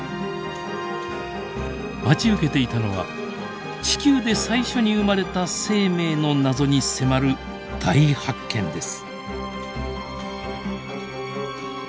待ち受けていたのは地球で最初に生まれた生命の謎に迫る大発見です。